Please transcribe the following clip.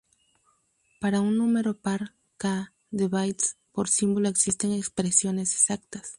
Para un número par "k" de bits por símbolo existen expresiones exactas.